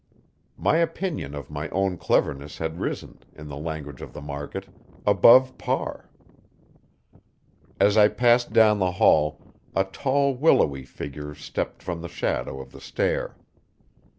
My opinion of my own cleverness had risen, in the language of the market, "above par." As I passed down the hall, a tall willowy figure stepped from the shadow of the stair.